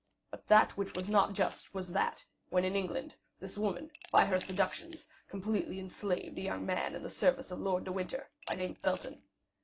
But that which was not just was, that, when in England, this woman, by her seductions, completely enslaved a young man in the service of Lord de Winter, by name Felton.